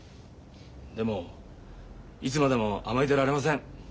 でもいつまでも甘えてられません。